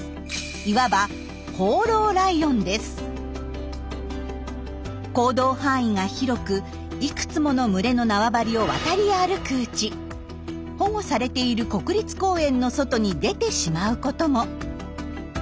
いわば行動範囲が広くいくつもの群れの縄張りを渡り歩くうち保護されている国立公園の外に出てしまうことも。